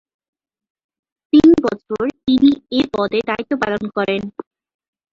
তিন বছর তিনি এ পদে দায়িত্ব পালন করেন।